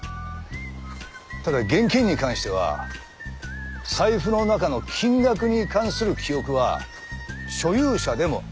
ただ現金に関しては財布の中の金額に関する記憶は所有者でも曖昧。